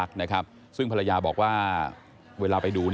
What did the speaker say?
ก็เหมือนยังยิ้มอยู่